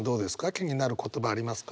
気になる言葉ありますか？